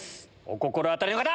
お心当たりの方！